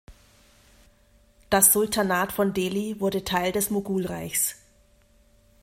Das Sultanat von Delhi wurde Teil des Mogulreichs.